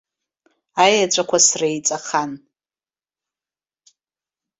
Аеҵәақәа среиҵахан.